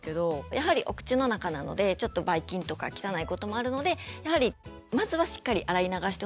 やはりお口の中なのでちょっとばい菌とか汚いこともあるのでやはりまずはしっかり洗い流してほしいな。